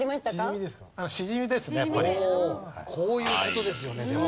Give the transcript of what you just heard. こういう事ですよねでも。